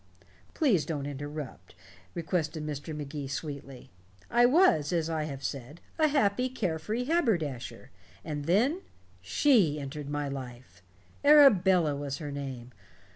"Please don't interrupt," requested Mr. Magee sweetly. "I was, as I have said, a happy carefree haberdasher. And then she entered my life. Arabella was her name.